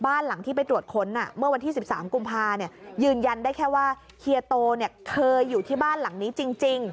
หลังที่ไปตรวจค้นเมื่อวันที่๑๓กุมภายืนยันได้แค่ว่าเฮียโตเคยอยู่ที่บ้านหลังนี้จริง